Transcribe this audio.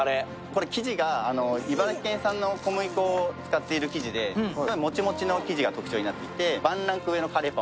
これ生地が茨城県産の小麦粉を使っている生地で、もちもちの生地が特徴になってて。